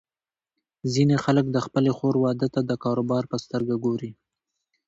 ځینې خلک د خپلې خور واده ته د کاروبار په سترګه ګوري.